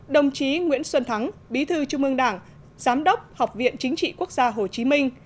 đồng chí nguyễn xuân thắng bí thư trung ương đảng giám đốc học viện chính trị quốc gia hồ chí minh